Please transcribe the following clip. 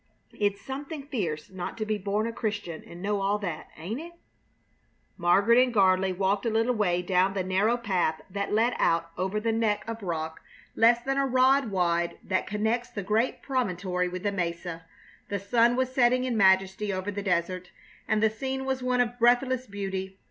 It's something fierce not to be born a Christian and know all that, ain't it?" Margaret and Gardley walked a little way down the narrow path that led out over the neck of rock less than a rod wide that connects the great promontory with the mesa. The sun was setting in majesty over the desert, and the scene was one of breathless beauty.